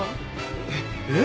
えっえっ？